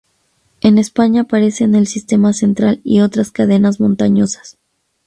En España aparece en el Sistema Central y otras cadenas montañosas.